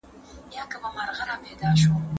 ژوره ساه واخلئ